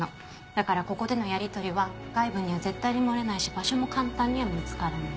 だからここでのやり取りは外部には絶対に漏れないし場所も簡単には見つからない。